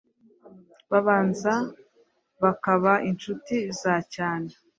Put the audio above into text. babanza bakaba inshuti za cyane